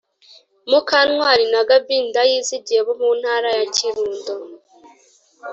mukantwari na gabin ndayizigiye bo mu ntara ya kirundo